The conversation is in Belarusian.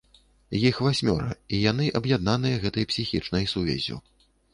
Іх васьмёра, і яны аб'яднаныя гэтай псіхічнай сувяззю.